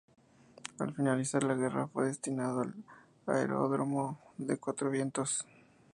Al finalizar la guerra fue destinado al aeródromo de Cuatro Vientos.